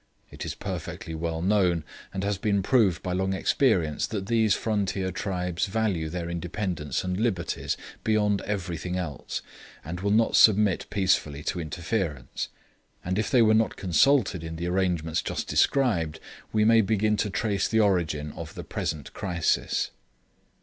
It is perfectly well known, and has been proved by long experience, that these frontier tribes value their independence and liberties, beyond everything else, and will not submit peacefully to interference; and if they were not consulted in the arrangements just described, we may begin to trace the origin of the present crisis.